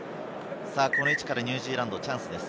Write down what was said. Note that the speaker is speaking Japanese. この位置からニュージーランド、チャンスです。